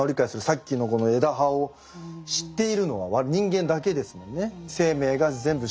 さっきのこの枝葉を知っているのは人間だけですもんね。